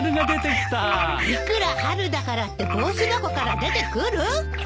いくら春だからって帽子箱から出てくる？